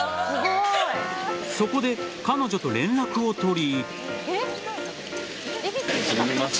そこで彼女と連絡を取り。